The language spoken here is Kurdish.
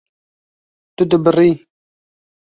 Tu dibirî.